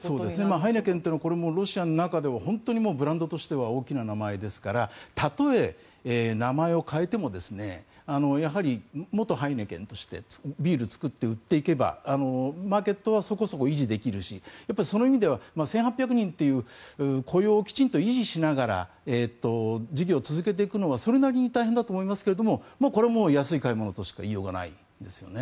ハイネケンというのはロシアの中ではブランドとしては大きな名前ですからたとえ名前を変えても元ハイネケンとしてビールを造って売っていけばマーケットはそこそこ維持できるしその意味では、１８００人という雇用をきちんと維持しながら事業を続けていくのはそれなりに大変だと思いますがこれはもう安い買い物としか言いようがないですよね。